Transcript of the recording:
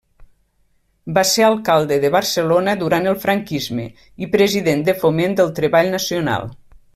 Va ser alcalde de Barcelona durant el franquisme i president de Foment del Treball Nacional.